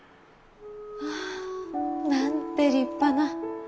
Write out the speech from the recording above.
まあなんて立派な。